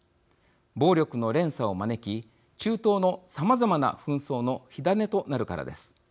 暴力の連鎖を招き中東のさまざまな紛争の火種となるからです。